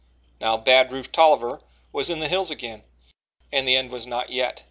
Now Bad Rufe Tolliver was in the hills again and the end was not yet.